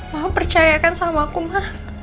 ma percayakan sama aku ma